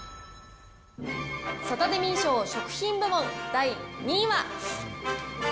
サタデミー賞食品部門第２位は。